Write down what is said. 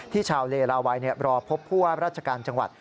ชาวเลลาวัยรอพบผู้ว่าราชการจังหวัด